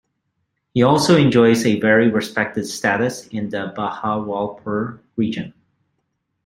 He also enjoys a very respected status in the Bahawalpur region.